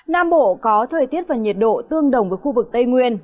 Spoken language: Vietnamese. nam bộ có thời tiết và nhiệt độ tương đồng với khu vực tây nguyên